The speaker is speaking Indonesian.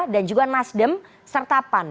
dan juga nasdem serta pan